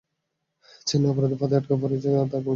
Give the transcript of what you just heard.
চেন্নাই অপরাধের ফাঁদে আটকা পড়েছ, তাহলে, কমিশনার করছেটা কী?